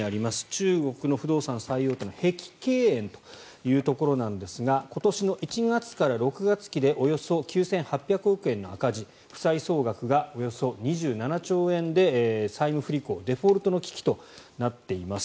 中国の不動産最大手の碧桂園というところなんですが今年の１月から６月期でおよそ９８００億円の赤字負債総額がおよそ２７兆円で債務不履行、デフォルトの危機となっています。